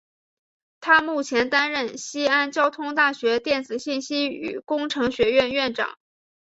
他目前担任西安交通大学电子信息与工程学院院长。